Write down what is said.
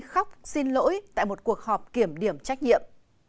khóc xin lỗi tại một cuộc họp kiểm điểm trách nhiệm